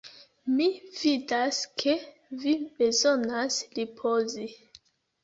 Mi vidas ke vi bezonas ripozi!